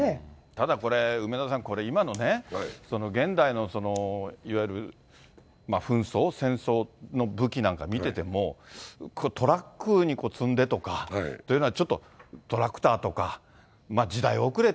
ただこれ、梅沢さん、今のね、現代のいわゆる紛争、戦争の武器なんか見てても、トラックに積んでとかというのは、ちょっとトラクターとか、時代遅れって。